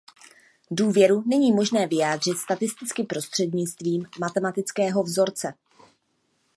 Důvěru není možné vyjádřit statisticky prostřednictvím matematického vzorce.